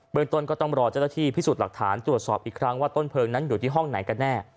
เมืองต้นก็ต้องรอเจ้าหน้าที่พิสูจน์หลักฐานตรวจสอบอีกครั้งว่าต้นเพลิงนั้นอยู่ที่ห้องไหนกันแน่